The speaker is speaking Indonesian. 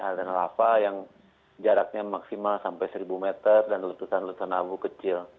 ada nelapa yang jaraknya maksimal sampai seribu meter dan letusan letusan abu kecil